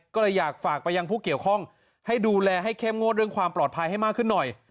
ก็เลยอยากฝากไปยังผู้เกี่ยวข้องให้ดูแลให้เข้มงวดเรื่องความปลอดภัยให้มากขึ้นหน่อย